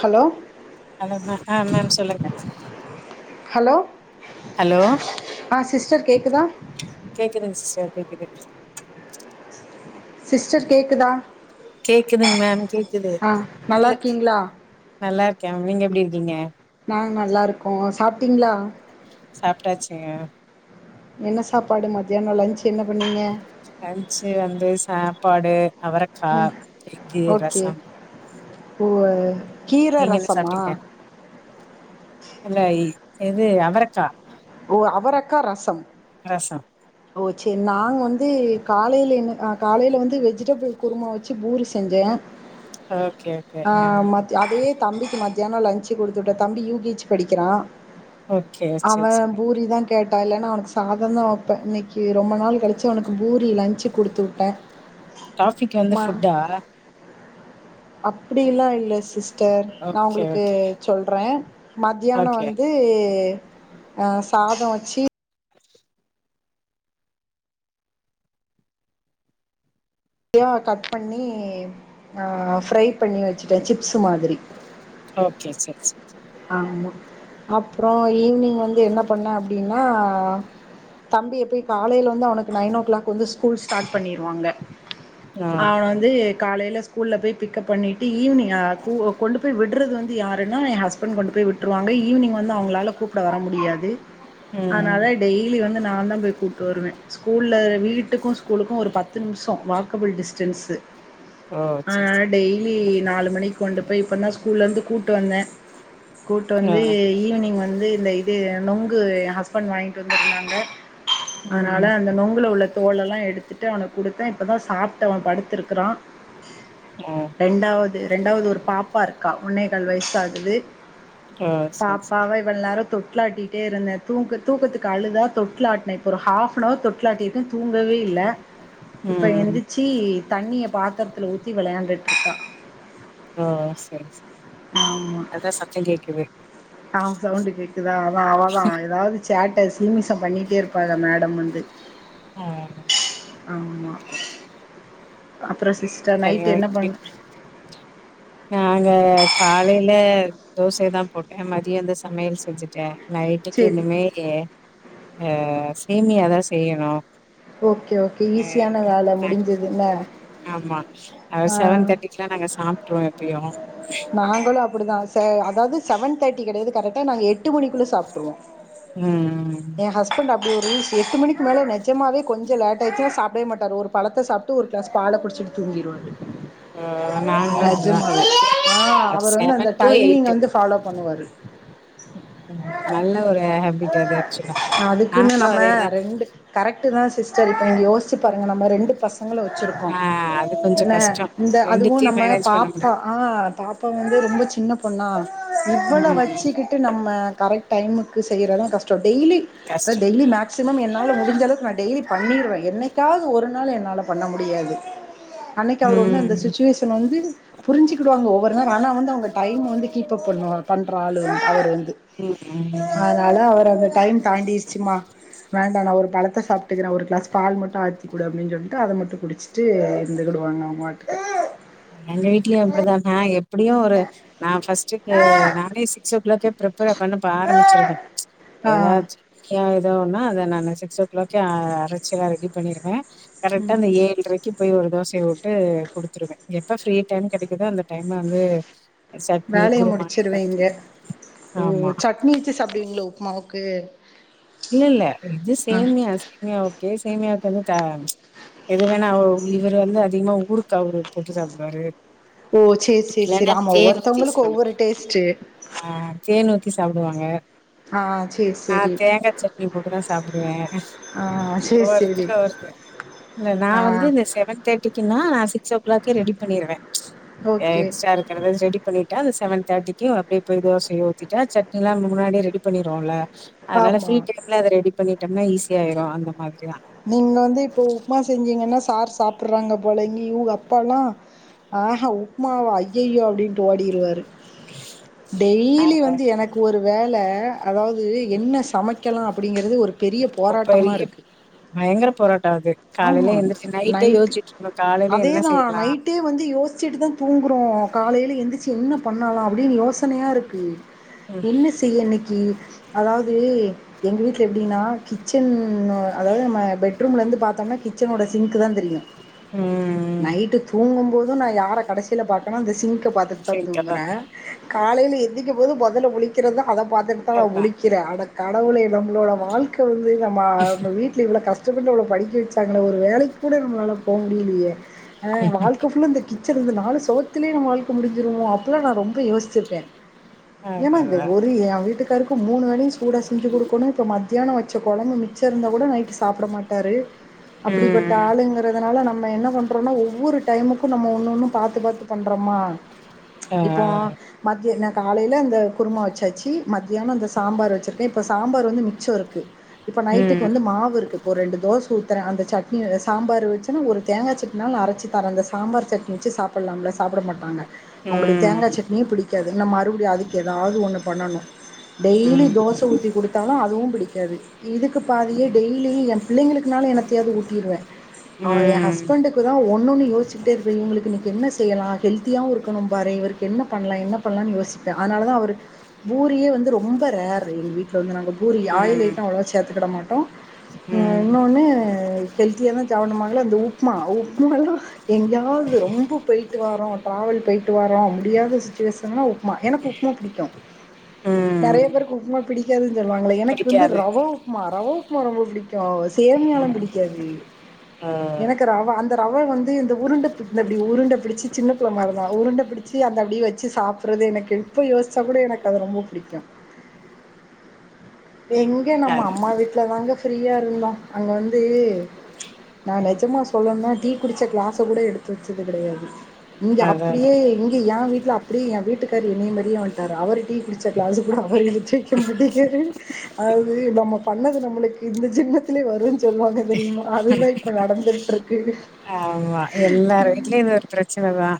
Hello hello ma'am ஆ ma'am சொல்லுங்க hello hello ஆ சிஸ்டர் கேக்குதா கேக்குதுங் சிஸ்டர் கேக்குது சிஸ்டர் கேக்குதா கேக்குதுங்க மேம் கேக்குது ஆ நல்லா உங்களுக்கு இருக்கீங்களா நல்லாருக்கே மேம் நீங்க எப்டி இருக்கிங்க நாங்க நல்லா இருக்கோ சாப்ட்டீங்களா சாப்ட்டாச்சுங்க என்ன சாப்பாடு மத்தியான லஞச் என்ன பண்ணீங்க லன்ச்சு வந்து சாப்பாடு ம் அவரக்காய் எக்கு ஓகே ரசம் ஓ கீரை நீங்க என்ன ரசமா சாப்ட்டீங்க இல்ல இது அவரக்கா ஓ அவரக்கா ரசம் ரசம் ஓ செர் நாங்க வந்து காலைல என்ன ஆ காலைல வந்து வெஜிடபிள் குருமா வெச்சி பூரி செஞ்சே ஓகே ஓகே ஆ மா அதயே தம்பிக்கு மத்தியான லன்ச் குடுத்து விட்டேன் தம்பி யூ கே ஹச் படிக்கிறா ஓகே சேரி அவன் சேரி பூரிதா கேட்டா இல்லன்னா அவனுக்கு சாதம் தா வைப்பே இன்னைக்கு ரொம்ப நாள் கழி ச்சி அவனுக்கு பூரி லஞ்சு குடுத்து விட்டே டாபிக் வந்து ம ஃபுட்டா அப்டிலா இல்ல சிஸ்டர் நா ஓகே உங்களுக்கு ஓகே சொல்றே மத்தியானம் ஓகே வந்து து ஆ சாதம் வெச்சி யாக கட் பண்ணி ஃப்ரை பண்ணி வெச்சுட்டேன் சிப்ஸ்ஸு மாதிரி ஓகே செர் செர் ஆமா அப்புற ஈவி்னிங் வந்து என்ன பண்ணே அப்டின்னா தம்பிய போய் காலையில வந்து அவனுக்கு நைன் ஓ கிளாக் வந்து ஸ்கூல் ஸ்டார்ட் பண்ணிருவாங்க ஆ அவ வ ந்து காலையில ஸ்கூல்ல போய் பிக்கப் பண்ணிட்டு ஈவினிங் கொண்டு போய் விடுறது வந்து யாருனா எ ஹஸ்பண்ட் போய் விட்டுருவாங்க ஈவினிங் வந்து அவுங்களால கூப்பிட வர முடியாது ம் அதனாலா டெய்லி வந்து நா தா போய் கூப்ட்டு வருவே ஸ்கூல்ல வீட்டுக்கு ஸ்கூலுக்கு ஒரு பத்து நிமிஷம் வாக் கபுல் டிஸ்டன்ஸ் ஓ அ சேரி டெயிலி நாளு மணிக் கொண்டு போய் இப்ப தா ஸ்கூல்ல இருந்து கூப்ட்டு வந்தே கூட்டு சேரி ஆ வந்து ஈவினிங் வந்து இந்த இது நொங்கு எ ஹஸ்பண்ட் வாங்கிட்டு வந்திருந்தாங்க அதனால ம் அந்த நொங்குல உள்ள தோல் எல்லா எடுத்துட்டு அவனுக்கு குடுத்தே இப்ப தா சாப்பிட்டு அவன் படுத்துருக்கிறா ஆ ரெண்டாவது ரெண்டாவது ஒரு பாப்பா இருக்கா ஒன்னேகால் வயசாகுது ஓ சேரி சேரி பாப்பாவ இவ்ள நேர தொட்லாட்டிகிட்டே இருந்தே தூங்க தூக்கத்துக்கு அழுதா தொட்லாட்னே இப்போ ஒரு ஹாஃப் நவர் தொட்டிலாட்னே தூங்கவே இல்ல இப்ப ம் எந்திச்சி தண்ணிய பாத்திரத்துல ஊத்தி விளையாண்டுட்டு இருக்கா ஆ செர் செர் ஆமா எதோ சத்தோ கேக்குது ஆ சவுண்டு கேக்குதா அதா அவதா எதாவது சேட்ட சில்மிசம் பண்ணிகிட்டே இருப்பாக மேடம் வந்து ஆ ஆமா ஓகே அப்றோ சிஸ்டர் சரியா நைட் என்ன பண் நாங்க காலையில தோசை தா போட்டே மதியோ அந்த சமையல் செஞ்சுட்டே நைட்டுக்கு சரி இனுமே அ சேமியாதா செய்யணு ஓகே ஓகே ஆ ஈஸியான வேல முடிஞ்சுதுல்ல ஆமா செவன் தேட்டிக்குல்லா நாங்க சாப்ட்ருவோ எப் நாங்களு அப்புடிதா செ அதாவது செவன் தேர்ட்டி கெடையாது கரெக்டா நாங்க எட்டு மணிக் குள்ள சாப்ட்ருவோ ம் எ ஹஸ்பண்ட் அப்டி ஒரு எட்டு மணிக்கு க்கு மேல நெஜமாவே கொஞ்ச லேட் டாயிடுச்சுனா சாப்டவே மாட்டாரு ஒரு பழத்த சாப்ட்டு ஒரு க்ளாஸ் பால குடிச்சுட்டு தூங்கிருவாரு ம் ம் நாங்ளு இப்டிதா நெஜமாவே ஆ அவர் வந்து அந்த செவன் டூ டைமிங் எய்ட்டு வந்து ஃபாலோ பண்ணுவாரு நல்ல ஒரு ஹேபிட் அது ஆக்சுவலா அதுக்குன்னு நாங்களு நம்ம அதேதா ரெண்டு கரெக்ட் தா சிஸ்டர் இப்ப இங்க யோசுச்சு பாருங்க நம்ம ரெண்டு பசங்கள வச்சுருக்கோ ஆ அது கொஞ்சோ என்ன கஷ்டோ இந்த அதுவு ரெண்டுத்தையு நம்ம மேனேஜ் பண்ண பாப் ப்பா முடியு ஆ பாப்பா வந்து ரொம்ப சின்ன பொண்ணா இவள ம் வச்சுக்கிட்டு நம்ம கரெக் டைமுக்கு செய்றதா கஷ்டோ டெய்லி அதா கஷ்டோ டெய்லியு மேக்சிமம் என்னால் முடிஞ்ச அளவுக் நா டெய்லி பண்ணிருவே என்னைக்காவது ஒரு நாள் என்னால் பண்ண முடியாது அன்னைக்கு அ வர் வந்து அந்த ம். சுச்சுவேஷன் வந்து புரிஞ்சுக்கிடுவாங்க ஒவ்வொரு நேரோ ஆனா வந்து அவுங்க டைம் வந்து கீப்பப் பண்ணுவா பண்ற ஆளு அந்த பேரு வந்து ம் ம் அதுனால அவர் அந்த டைம் தாண்டிடுச்சுமா வேண்டா நா ஒரு பழத்த சாப்ட்டுக்கிறே ஒரு க்ளாஸ் பால் மட்டு ஆத்து குடு அப்டின் சொல்லிட்டு அத மட்டு குடிச்சுட்டு இருந்து குடுவாங்க அவுங்க வாட்டுக்கு எங்க வீட்டுலயு அப்புடிதான எப்புடியு ஒரு நா பஸ்ட் லஞ்சுக்கு நானே சிக்ஸ் ஓக் களாக்கே ப்ரப் பண்ணா ஆரம்பிச்சுருவே ஆ எதாச்சு ஏதோன்னா அத நானு சிக்ஸ் ஓ க்ளாக்கே அரைச்செல்லா ரெடி பண்ணிருவே கரெக்டா அந்த ஏழுரைக்கு போய் ஒரு தோசையை விட்டு குடுத்துருவே எப்ப ஃப்ரீ டைம் கெடைக்குதோ அந்த டைம்ம வந்து சட்னி வேலைய குருமா முடிச்சிருவே எல்லாத்துக்கு இருக்கு ஆமா மீல்ஸ் சாப்புடிவீங்களா உப்புமாவுக்கு இல்ல இல்ல இது ஆ சேமியா சேமியா ஓகே சேமியாவுக்கு வந்து தா எது வேணா அவ இவர்ரு வந்து அதிகமா ஊருக்கு தொட்டு சாப்புடுவாரு ஓ செரி செரி செரி ஆமா ஊத்தி ஒவ்வொருத்தவங்களுக்கு சாப்டுவாரு. ஒவ்வொரு டேஸ்ட்டு ஆ தேன் ஊத்தி சாப்புடுவாங்க ஆ சேரி செரி நெய் போட்டுதா சாப்புடுவே ஒரு சேரி சேரி வாரத்துக்கு அவருக்கு இல்ல நா ஆ வந்து இந்த செவன் தேர்ட்டிக்குன்னா சிக்ஸ் ஓ க்ளாக்கே ரெடி பண்ணிருவே ஓ எக்ஸ்ட்ரா இருக்குறதாவது ரெடி பண்ணிட்டா அந்த செவன் தேர்டிக்கி அப்டியே போய் தோசைய ஊத்திட்டா சட்னில்லா முன்னாடியே ரெடி பண்ணிடுவோல்ல அதுனால ஆமா ஃப்ரீ டைம்ல அத ரெடி பண்ணிட்டம்னா ஈஸியா ஆயிரு அந்த மாதிரிதா நீங்க வந்து இப்போ உப்புமா செஞ்சீங்கன்னா சார் சாப்புட்றாங்க போல இங்க இவுக அப்பால்லா ஆ ஹா உப்மாவா ஐய்யய்யோ அப்டின்ட்டு ஓடிடுவாரு டெய்லி நாங்க வந்து எனக் ஒரு வேல அதாவது என்ன சமைக்கலா அப்படிங்கறது ஒரு பெரிய போராட்டமா ஒப்பெரிய இருக்கு பயங்கர போராட்டொ அது ஆமா காலைல எந்திரிச்சு நைட்டே நைட்டு யோசிச்சுட்டு இருக்கணு காலைல என்ன அதேதா செய்யலா நைட்டே வந்து யோசிச்சுட்டுதா தூங்குறோ காலைல எந்திரிச்சி என்ன பண்ணலா அப்டினு யோசனையா இருக்கு ம் என்ன செய்ய இன்னைக்கி அதாவது எங்க வீட்ல எப்டினா கிச்சன் அ அதாவது நம்ம பெட்ரூம்லர்ந்து பாத் தோனா கிச்சனோட சிங்க் தா தெரியு ம் ம் நைட்டு தூங்கும்போது நா யார கடைசில பாக்கனா அந்த சிங்க பாத்துட்டுதா சரிக்கா தூங்குற காலைல எந்திக்கும் போது மொதல்ல முழிக் கிறது அத பாத்துட்டுதா நா அதா முழிக்கிற அட கடவுளே நம்மளோட வாழ்க்க வந்து நம்ம வீட்ல இவ்ள கஸ் ஷ்டப்பட்டு அவ்வளோ படிக்க வெச்சாங்கள ஒரு வேலைக் கூட நம்மளால போ முடியலயே ஆ வாழ்க்க ஃபுல்லா இந்த கிச் மிச்சிருந்த நாலு சொவத்திலே நம்ம வாழ்க்க முடிஞ்சிடுமோ அப்பில்லா நா ரொம்ப யோசிச்சிருக்கே ஏமா இந்த அதா ஒரு எ வீட்டுக்காருக்கு மூணு வேளயும் சூடா செஞ்சு குடுக்கணு இப்ப மத்தியானொ வச்ச கொழம்பு மி ச்சர்ந்த கூட நைட்டு சாப்ட மாட்டாரு அப்டிபட்ட ம் ஆளுங்க ன்றதுனால நம்ம என்ன பண்றோனா ஒவ்வொரு டைமுக்கு நம்ம ஒன்ஒன்னு பாத்து பாத்து பண்றமா ஆ இப்போ மத்தி நா காலைல இந்த குருமா வச்சாச்சி மத்தியானொ இந்த சாம்பார் வச்சுருக்க இப்ப சாம்பார் வந்து மிச்சொ இருக்கு இப்ப நைட்டுக்கு ம் வந்து மாவுருக்கு ஒரு ரெண்டு தோச ஊத் தர அந்த சட்னி சாம்பார் வச்சனா ஒரு தேங்கா சட்னினாலு அரைச்சி தரே அந்த சாம்பார் சட்னி வச்சு சாப் பில்லாம்ல சாப்பிட மாட்டாங்க அவங்களுக் ம் தேங்கா சட் னியு பிடிக்காது நா மறுபடியு அதுக்கு எதாவது ஒன்னு பண்ணணு டெய்லி ம் தோச ஊத்தி குடுத்தாலு அதுவு பிடிக்காது இதுக்கு பாதியே டெய்லி எ பிள்ளைங்களுக்குனாலு என்னத்தயாவது ஊட்டிடுவ ஆ எ ம் ஹஸ்பண்டுக்கு தா ஒன்னொன்னு யோசிச்சுக்கிட்டே இருப்ப இவ்ங்களுக்கு இன்னிக்கு என்ன செய்யலா ஹெல்த்தியாகவு இருக்கணும்பாரே இவருக்கு என்ன பண்லா என்ன பண்லான் யோசிப்ப அதனாலதா அவரு பூரியே வந்து ரொம்ப ரேர் எங்க வீட்ல வந்து நாங்க பூரி ஆயில் ம் ஐட்டமொ அவ்ளவா சேத்துக்கிட மாட்டோ ஆ ம் இன்னோன்னு ஹெல்த்தியா தா சாபட்ணுமாங்கல இந்த உப்மா உப்மாலா எங்கியாவது ரொம்ப போய்ட்டு வாரோ டிராவல் பொய்ட்டு வாரோ முடியாத சிச்சுவேஷன்னா உப்மா எனக்கு உப் உப்மா புடிக்கு நெறைய ம் பேருக்கு உப்மா பிடி க்காதுஞ்சொல்லுவாங்களே எனக்கு வந்து புடிக்காது ரவ உப்மா ரவ உப்மா ரொம்ப பிடிக்கு சேமியால ம் பிடிக் க்காது ஆ எனக்கு ரவா அந்த ரவா வந்து இந்த உருண்ட பிடி இந்த இப்டி உருண்ட பிடிச்சு சின்ன பிள்ள மாரிதா உருண்ட பிடிச் ச்சி அந்த அப்டியே வச்சு சாப்புறது எனக்கு இப்ப யோசிச்சா கூட எனக்கு அது ரொம்ப பிடிக்கு எங்க நம்ம அது அம்மா வீட்ல தாங்க ஃப்ரீயா இருந்தோ அங்க வந்து ந்து நா நெஜமா சொல்லனுனா டீ குடிச்ச கிளாஸ கூட எடுத்து வெச்சது கெடயாது இங்க அதா அப்டியே இங்க யா வீட்ல அப் அப்டி எ வீட்டுக்காரு என்னைய மாரியே வன்ட்டாரு அவர் டீ குடிச்ச கிளாஸ கூட அவர் எடுத்து வெக்க மாட்டேங்காரு அதாது நம்ம பண்ணது நம்மளுக்கு இந்த ஜென்மத்திலே வருன் சொல்வாங்க தெரிமா அதுதா இப்ப நடந்துட்டுருக்கு ஆமா எல்லார் வீட்லயு இது ஒரு பிரச்சனதா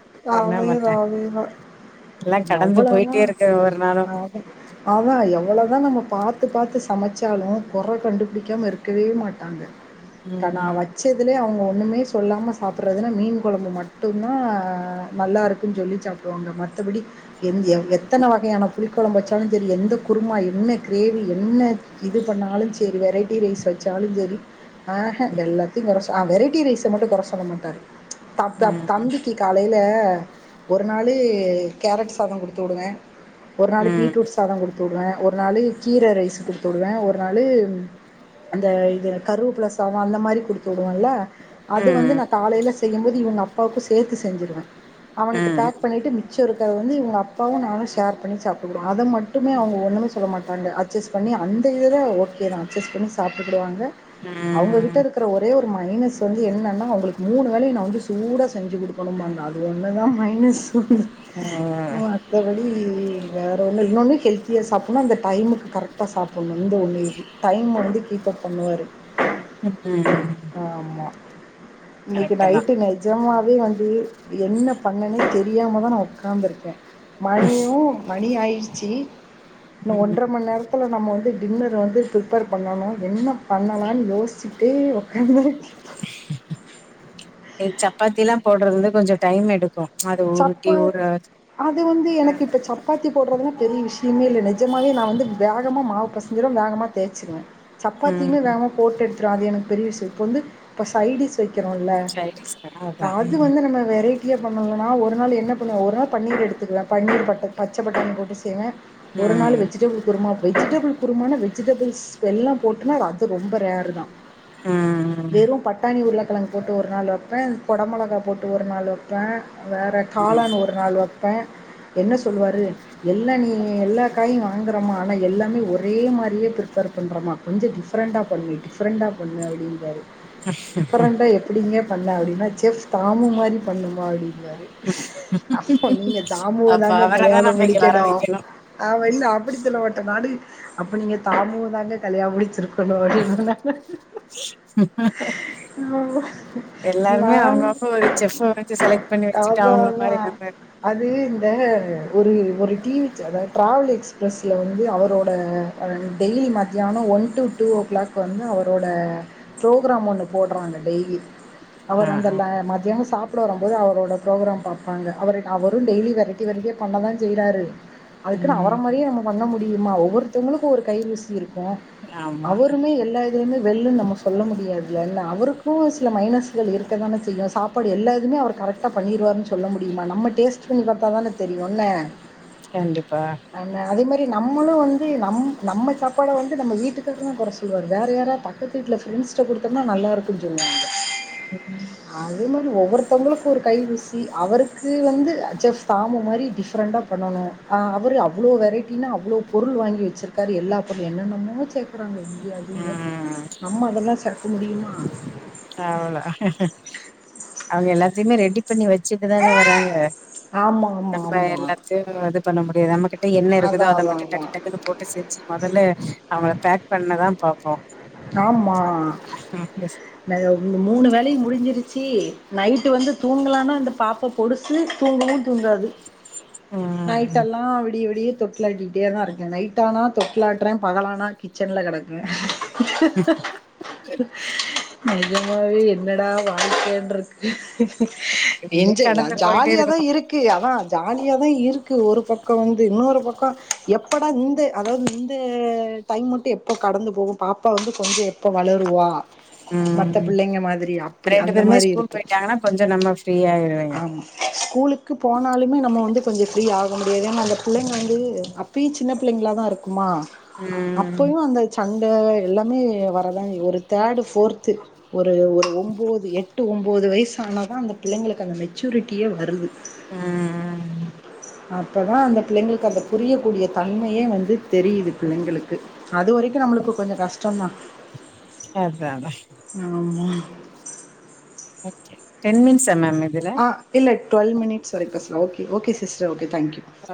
என்னா பண்ண அதேதா அதேதா. எல்லா கடந்து போயிட்டே இருக்க ஒவ்வொரு நாளு ஆஃபன் ஆனா எவ்ளதா நம்ம பாத்து பாத்து சமச்சாலு கொற கண்டுபிடிக்காம இருக்கவே மாட் ட்டாங்க கா நா ம் வச்சதிலே அவுங்க ஒன்னுமே சொல்லாம சாப்புறதுனா மீன் கொழம்பு மட்டுந்தா நல்லாருக் குன் சொல்லி சாப்டுவாங்க மத்தபடி எந் எவ் எத்தன வகையான புளி கொழம்பு வைச்சாலு செரி எந்த குருமா என்ன கிரேவி என்ன இது பண்ணாலு செரி வெரைட்டி ரைஸ் வெச்சாலு செரி ஆஹ ம் எல்லாத்தையு கொற சொ அ வெரைட்டி ரைஸ மட்டு கொற சொல்ல மாட்டாரு தம் தம் ம் தம்பிக்கி காலைல ஒரு நாளு கேரட் சாதொ குடுத்து உடுவே ஒரு நாளு ம் பீட்ரூட் சாதோ குடுத்து உடுவே ஒரு நாளு கீர ரைஸு குடுத்து உடுவே ஒரு நாளு அந்த இது கருவப்பலசாதோ அந்த மாரி குடுத்து விடுவோல்ல அது வந்து ம் நா காலைல செய்யும்போது இவுங்க அப்பாவுக்கூ சேத்து செஞ்சிடுவே அவனுக்கு பேக் பண்ணிட்டு மிச்ச இருக்கிறத வந்து இவுங்க அப்பாவு நானு ஷேர் பண்ணி சாப்டுவோ அத மட் மட்டுமே அவுங்க ஒன்னுமே சொல்ல மாட்டாங்க அட்ஜஸ்ட் பண்ணி அந்த இதுல ஓகே தா அட்ஜஸ்ட் பண்ணி சாப்ட்டுகிடுவாங்க அவுங்ககிட்ட ம் இருக்குற ஒரே ஒரு மைனஸ் வந்து என்னன்னா அவுங்களுக்கு மூணு வேலயு நா வந்து சூடா செஞ்சு குடுக் குணும்பாங்க அது ஒண்ணுதா மைனஸ் ம் மத்தபடி வேற ஒன்னு இன்னொன்னு ஹெல்த்தியா சாப்புன்னு அந்த டைமுக்கு கரெக்டா சாப்புணு இந்த ஒன்னு இது டைம் வந்து கீப்பப் பண்ணுவாரு ம் ஆமா இன்னைக்கி கரெக்ட்டு தா நைட்டு நெஜமாவே வந்து என்ன பண்ணனே தெரியாம தா நா ஒக்காந்துருக்கே மணியு மணி ஆயிரிச்சி இன்னு ஒன்ற ம் மண் நேரத்ல நம்ம வந்து டின்னர் வந்து ப்ரிப்பேர் பண்ணணு என்ன பண்ணலான் யோஸ்ச்சிட்டே ஒக்காந்துருக்கே ஏ சப்பாத்தியெல்லா போட்றது வந்து கொஞ்சோ டைம் எடுக்கூ சப்பாத் அது வந்து எனக்கு இப்ப சப்பாத்தி போட்றதுன்னா பெரிய விஷயமே இல்ல நெஜமாவே நா வந்து வேகமா மாவு பெசஞ்சிருவ வேகமா தேச்சிருவே அ சப்பாத்தியுமே ம் வேகமா போட்டு எடுத்துடுவே அது எனக்கு பெரிய விஷய இப்ப வந்து இப்ப சைடிஸ் வைக்கிறோல சைனீஸ்கார அதா அது ம் வந்து நம்ம வெரைட்டியா பண்ணுல்ல நா ஒரு நாள் என்ன பண்ணுவே ஒரு நாள் பன்னீர் எடுத்துக்குவே பன்னீர் பட்ட பச்ச பட்டாணி போட்டு செய்வே ஒரு நாள் ம் வெஜிடபிள் குருமா வெஜிடபிள் குருமானா வெஜிடபிள்ஸ் ஸ்பெல்லா போட்டுனா அ அது ரொம்ப ரேரு தா ம் வெறு பட்டாணி உருளைக்கழங்கு போட்டு ஒரு நாள் வைப்பே கொட மொளகா போட்டு ஒரு நாள் வைப்பே வேற ம் காளான் ஒரு நாள் வப்பே என்ன சொல்லுவாரு எல்லா நீ எல்லா காயு வாங்கறமா ஆனா எல்லாமே ஒரே மாரியே ப்ர்ப்பேர் பண்ணறமா கொஞ்ச டிஃப்ரண்டா பண்ணு டிஃப்ரெண்டா பண்ணு அப்டிம்பாரு டிஃப்ரெண்டா எப்டிங்கே பண்ண அப்டின்னா செஃப் தாமு மாரி பண்ணுமா அப்டி ம்பாரு அப்போ நீங்க தாமுவ அப்ப தாங்க அவரதா கல்யாணோ நம்ம இங்க வர முடிக்கனு வைக்கணு ஆமா இல்ல அப்படி சொல்லமாட்ட நானு அப்ப நீங்க தாமுவ தாங்க கல்யாணோ முடிச்சிருக்கணு அப்டின் [inaudible] ஓ எல்லாருமே அவுங்க அவுங்க ஒரு செஃப்ப வந்து செலக்ட் பண்ணி வச்சிட்டு அவுங்கள அதான் மாரி அதான். நம்ப இரு அது இந்த ஒரு ஒரு டிவி அதாவ்து ட்ராவல் எக்ஸ்ப்ரெஸ்ல வந்து அவரோட அ டெய்லி மத்தியானொ one to two o'clock வந்து அவரோட ப்ரோகிராம் ஒன்னு போட்றாங்க டெய்லி ஆ அவர் அந்த ஆ மதியான சாப்ட வரம் போது அவரோட ப்ரோக்ராம் பாப்பாங்க அவரு அவரோ டெய்லி வெரைட்டி வெரைட்டியா பண்ணதா செய்றாரு அதுக்குன்னு அவர ம் மாரியே நம்ம பண்ண முடியுமா ஒவ்வோர்த்தவங்குளுக்கோ ஒரு கை ருசி இருக்கோ ஆமா அவருமே எல்லாத் துலயுமே வெல்லுனு நம்ம சொல்ல முடியாது அவருக்கு சில மைனஸ்கள் இருக்க தான செய்யு சாப்பாடு எல்லாதுமே அவர் கரெக்ட் டா பண்ணிருவாருன்னு சொல்ல முடியுமா நம்ம டேஸ்ட் பண்ணி பாத்தாதானே தெரியு என்ன கண்டிப்பா என்ன அதே மாரி நம்மளு வந்து நம் நம்ம சாப்பாட வந்து நம்ம வீட்டுக்காரு தா கொற சொல்வாரு வேற யாராது வீட்ல ஃப்ரெண்ட்ஸிட்ட குடுத்தோம்னா நல்லா இருக்குன்னு சொல்வாங்க ம் அதே மாதிரி ஒவ்வோர்த்தவங்களு கோ ஒரு கை ருசி அவருக்கு வந்து அச்சா சாமு மாரி டிஃப்ரெண்டா பண்ணணோ அவரு அவ்ளோ வெரைட்டினா அவ்ளோ பொருள் வாங்கி வெச்சுருக்காரு எல்லா பொருள் என்னென்னமோ செஃ இருக்கறாங்க இங்கயு அங்கியுமே நம்ம அதெல்லா சேக்க முடியுமா அவ்ள அவங்க எல்லாத்தையு ரெடி பண்ணி வெச்சுட்டு தான வராங்க ஆமா ஆமா நம்ப ஆமா எல்லாத்தையு இது பண்ண முடியாது நம்மகிட்ட என்ன அதா இருக்குதோ அத அதா மட்டு அதா டக்கு டக்குன்னு போட் டு செஞ்சு மொதல்ல அவங்கள பேக் பண்ணதா பாப்போ ஆமா ம் னாது மூணு வேலையு முடிஞ்சிருச்சி நைட்டு வந்து தூங்கலானா அந்த பாப்போ பொடிசு தூங்கவோ தூங் காது ம் ம் நைட்டெல்லா விடிய விடிய தொட்லாட்டிட்டேதா இருக்கே நைட்டானா தொட்லாட்டுற பகலானா கிச்சன்ல கெடக்குற நெஜமாவே என்னடா வாழ்க்கன்ருக்கு இதுலயே என்ஜா நா கடந்து போயிட்டே ஜாலியாதா இருக்கணு இருக் கு அதா ஜாலியா தா இருக்கு ஒரு பக்கோ வந்து இன்னோரு பக்கோ எப்படா இந்த அதாவது இந்த டைம் மட்டு எப்போ கடந்து போகோ பாப்பா வந்து கொஞ்சோ எப்போ வளருவா மத்த ம் பிள்ளைங்க மாதிரி அப்டி ரெண்டு அந்த பேருமே மாதிரி ஸ்கூல் இருக்கு போயிட்டாங்கன்னா கொஞ்சோ நம்ம ஃப்ரீ ஆயிருவேங்க ஆமா ஸ்கூலுக்கு போனாலுமே நம்ம வந்து கொஞ்சோ ஃப்ரீ ஆக முடியாது ஏன்னா அந்த பிள்ளைங்க வந்து அப்பயு சின்ன பிள்ளைங்களா தா இருக்குமா ம் அப்பயு அந்த சண்ட எல்லாமே வரதா ஒரு தேர்டு ஃபோர்த்து ஒரு ஒரு ஒம்போது எட்டு ஒம்போது வயசான தா அந்த பிள்ளைங்களுக்கு அந்த மெச்சூரிட்டியே வருது ஆ அப்பதா அந்த பிள்ளைங்களுக்கு அந்த புரியக்கூடிய தன்மையே வந்து தெரியுது பிள்ளைங்களுக்கு அது வரைக்கு நம்மளுக்கு கொஞ்சோ கஷ் டோந்தா அதா அதா ஆமா வெச்சு டென் மினிஸா மேம் இதுல ஆ இல்ல ட்டுவல் மினிட்ஸ் வரிக்கோ okay okay sister okay thank you